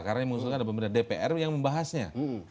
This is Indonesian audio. karena yang mengusulkan adalah dpr yang membahasnya